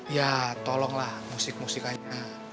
ya tolonglah musik musikannya